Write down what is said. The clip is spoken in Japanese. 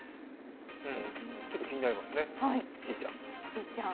ちょっと気になりますね、しーちゃん。